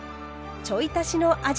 ちょい足しの味